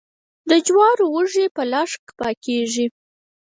د جوارو وږي په لښک پاکیږي.